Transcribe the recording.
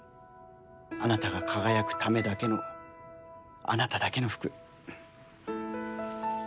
あなたが輝くためだけのあなただけの服。